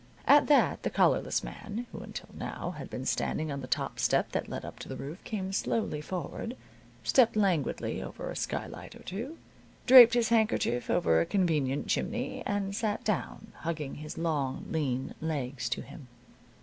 At that the collarless man, who until now had been standing on the top step that led up to the roof, came slowly forward, stepped languidly over a skylight or two, draped his handkerchief over a convenient chimney and sat down, hugging his long, lean legs to him.